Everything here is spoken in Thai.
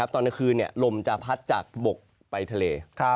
ตอนกลางคืนลมจะพัดจากบกไปทะเล